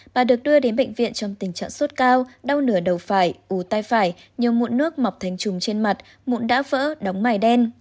bà được đưa đến bệnh viện trong tình trạng sốt cao đau nửa đầu phải ủ tai phải nhiều mụn nước mọc thành trùng trên mặt mụn đã vỡ đóng mài đen